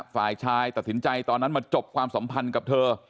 ฝ่ายชายตัดสินใจตอนนั้นมาจบความสัมพันธ์กับเธอ